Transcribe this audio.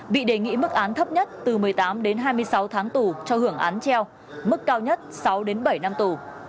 bị đề nghị mức án thấp nhất từ một mươi tám đến hai mươi sáu tháng tù cho hưởng án treo mức cao nhất sáu đến bảy năm tù